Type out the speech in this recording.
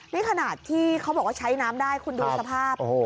ในขณะที่เค้าบอกว่าใช้น้ำได้คุณดูสภาพ